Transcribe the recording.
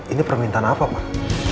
ini permintaan apa pak